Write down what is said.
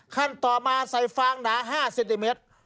ขั้นต่อมาใส่ฟางหนา๕เซนติเมตร